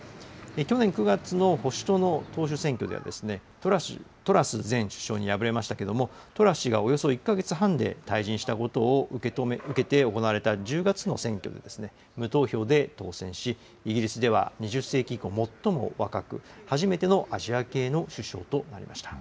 去年９月の保守党の党首選挙ではトラス前首相に敗れましたけれども、トラス氏がおよそ１か月半で退陣したことを受けて行われた１０月の選挙で、無投票で当選し、イギリスでは２０世紀以降最も若く、初めてのアジア系の首相となりました。